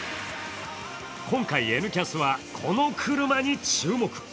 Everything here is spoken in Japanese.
今回「Ｎキャス」は、この車に注目。